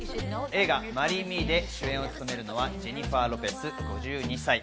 映画『マリー・ミー』で主演を務めるのはジェニファー・ロペス、５２歳。